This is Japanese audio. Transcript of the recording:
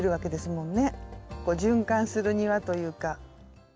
循環する庭というか。